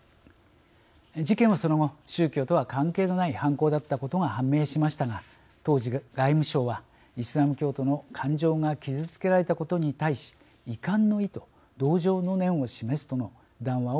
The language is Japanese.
事件はその後宗教とは関係のない犯行だったことが判明しましたが当時外務省はイスラム教徒の感情が傷つけられたことに対し遺憾の意と同情の念を示すとの談話を発表しました。